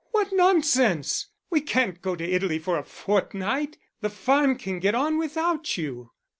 "What nonsense! We can't go to Italy for a fortnight. The farm can get on without you."